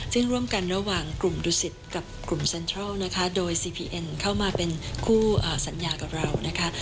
ซึ่งร่วมกันระหว่างกลุ่มดุสิตกับกลุ่มเซ็นทรัลนะคะโดยซีพีเอ็นเข้ามาเป็นคู่สัญญากับเรานะคะ